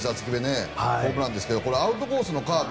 フォークなんですがアウトコースのカーブ